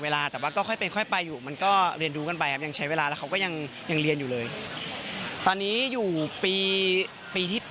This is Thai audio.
แล้วก็จะปลอดภัยนะให้ชีวิต